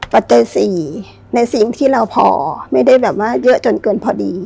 ปัจจัย๔ในสิ่งที่เราพอไม่ได้แบบว่าเยอะจนเกินพอดี